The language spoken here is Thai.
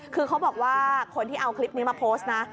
คือเขาบอกว่าคนที่เอาคลิปนี้มาโพสต์นะ